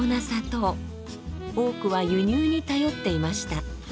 多くは輸入に頼っていました。